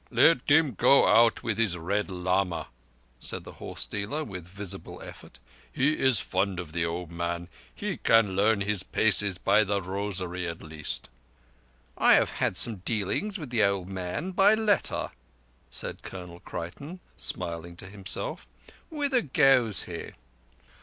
"Let him go out with his Red Lama," said the horse dealer with visible effort. "He is fond of the old man. He can learn his paces by the rosary at least." "I have had some dealings with the old man—by letter," said Colonel Creighton, smiling to himself. "Whither goes he?"